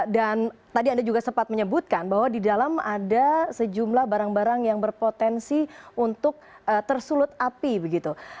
dan tadi anda juga sempat menyebutkan bahwa di dalam ada sejumlah barang barang yang berpotensi untuk tersulut api